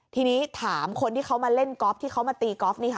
ทีนี้ถามคนที่เขามาเล่นก๊อฟที่เขามาตีกอล์ฟนี่ค่ะ